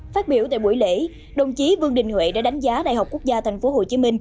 phát biểu tại buổi lễ đồng chí vương đình huệ đã đánh giá đại học quốc gia tp hcm